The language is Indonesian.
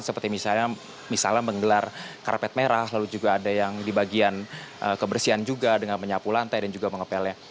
seperti misalnya menggelar karpet merah lalu juga ada yang di bagian kebersihan juga dengan menyapu lantai dan juga mengepelnya